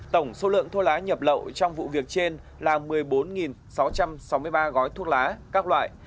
tổng số lượng thuốc lá nhập lậu trong vụ việc trên là một mươi bốn sáu trăm sáu mươi ba gói thuốc lá các loại